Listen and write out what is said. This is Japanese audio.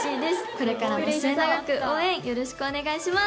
これからも末永く応援よろしくお願いします。